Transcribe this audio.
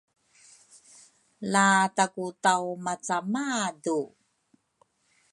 La taku tawmaca madu